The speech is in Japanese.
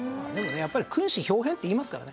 やっぱり「君子豹変」って言いますからね。